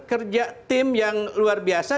kerja tim yang luar biasa